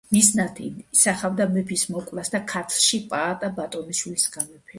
მიზნად ისახავდა მეფის მოკვლას და ქართლში პაატა ბატონიშვილის გამეფებას.